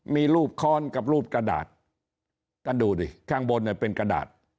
มีรูปค้อนกับรูปกระดาษท่านดูดิข้างบนเนี่ยเป็นกระดาษ